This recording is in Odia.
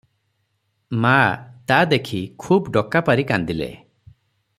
ମା ତା ଦେଖି ଖୁବ୍ ଡକା ପାରି କାନ୍ଦିଲେ ।